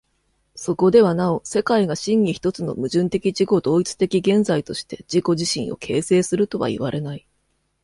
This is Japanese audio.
そこではなお世界が真に一つの矛盾的自己同一的現在として自己自身を形成するとはいわれない。